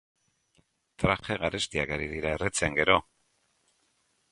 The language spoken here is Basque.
Traje garestiak ari dira erretzen, gero!